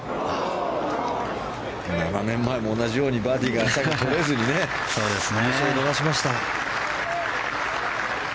７年前も同じように最後バーディーを取れずに優勝を逃しました。